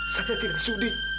saya tidak sudi